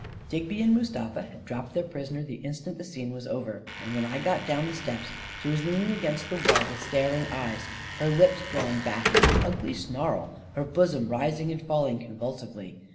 Digby and Mustafa had dropped their prisoner the instant the scene was over, and when I got down the steps, she was leaning against the wall with star ing eyes, her lips drawn back in an ugly snarl, her bosom rising and falling convulsively.